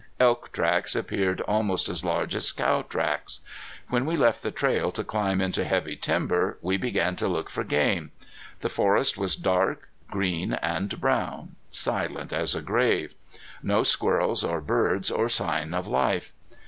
Elk tracks appeared almost as large as cow tracks. When we left the trail to climb into heavy timber we began to look for game. The forest was dark, green and brown, silent as a grave. No squirrels or birds or sign of life!